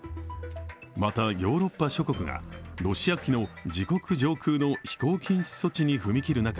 また、ヨーロッパ諸国がロシア機の自国上空の飛行禁止措置に踏み切る